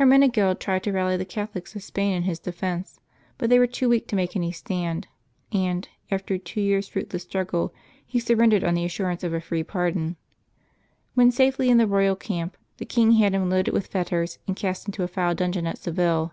Hermenegild tried to rally the Catholics of Spain in his defence, but they were too weak to make any stand, and, after a two years' fruit less struggle, he surrendered on the assurance of a free pardon. When safely in the royal camp, the king had him loaded with fetters and cast into a foul dungeon at Seville.